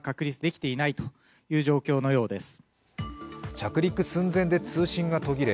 着陸寸前で通信が途切れ